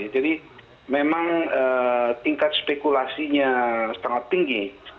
jadi memang tingkat spekulasinya sangat tinggi